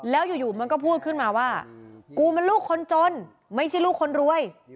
แล้วอยู่มันก็พูดขึ้นมาว่ากูมันลูกคนจนไม่ใช่ลูกคนรวย